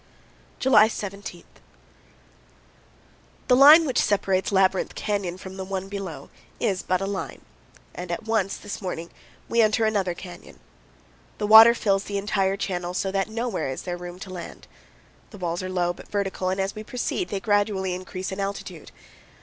July 17. The line which separates Labyrinth Canyon from the one below is but a line, and at once, this morning, we enter another canyon. The water fills the entire channel, so that nowhere is there room to land. The walls are low, but vertical, and as we proceed they gradually increase in altitude.